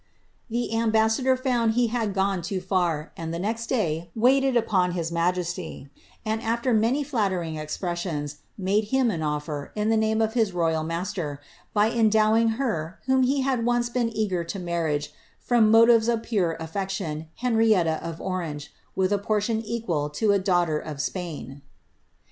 The ambassador found he had gone too far, and the next day waited upon his majesty, and, after many flattering expressions, made him an oiler, in the name of his royal master, of endowing her, whom he had once been eager to marry, from motives of pure alFection, Henrietta of Orange, with a portion equal to a daughter of Spain.